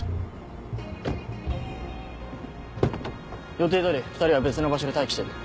予定通り２人は別の場所で待機してて。